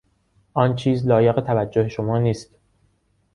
آن چیز لایق توجه شما نیست.